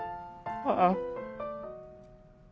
ああ。